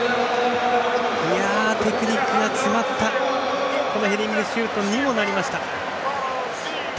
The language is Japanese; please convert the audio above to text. テクニックが詰まったヘディングシュートになりました。